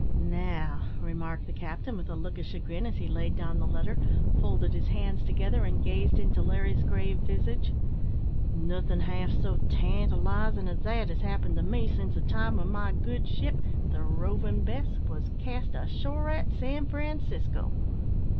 "Now," remarked the captain, with a look of chagrin, as he laid down the letter, folded his hands together, and gazed into Larry's grave visage, "nothin' half so tantalisin' as that has happened to me since the time when my good ship, the Roving Bess, was cast ashore at San Francisco."